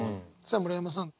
さあ村山さん。